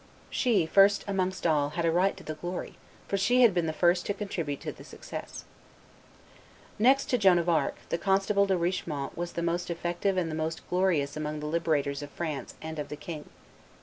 She, first amongst all, had a right to the glory, for she had been the first to contribute to the success. Next to Joan of Arc, the constable De Richemont was the most effective and the most glorious amongst the liberators of France and of the king.